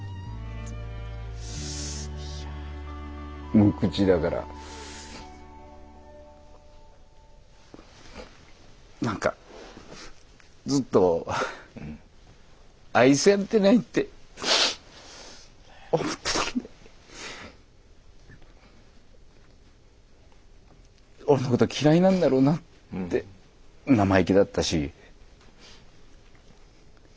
無口だから何かずっと愛されてないって思ってたので俺のこと嫌いなんだろうなって生意気だったし。